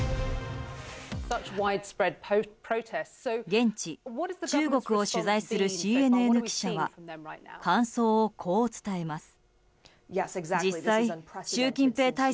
現地・中国を取材するＣＮＮ記者は感想こう伝えます。